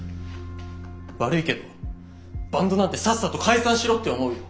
悪いけどバンドなんてさっさと解散しろって思うよ。